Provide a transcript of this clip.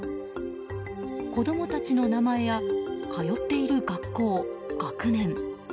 子供たちの名前や通っている学校、学年。